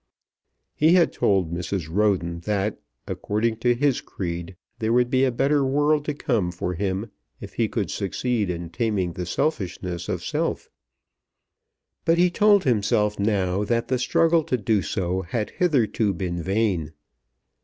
He had told Mrs. Roden that according to his creed there would be a better world to come for him if he could succeed in taming the selfishness of self. But he told himself now that the struggle to do so had hitherto been vain.